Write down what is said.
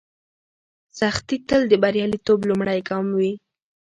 سختي تل د بریالیتوب لومړی ګام وي.